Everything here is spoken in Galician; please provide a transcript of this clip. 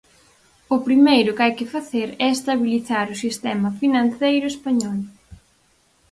O primeiro que hai que facer é estabilizar o sistema financeiro español.